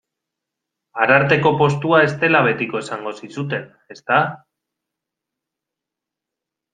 Ararteko postua ez dela betiko esango zizuten, ezta?